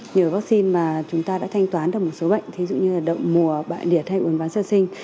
nhiều vaccine mà chúng ta đã thanh toán được một số bệnh thí dụ như là mùa bại điệt hay uổng ván sơ sinh